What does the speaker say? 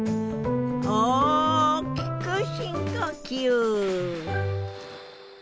大きく深呼吸。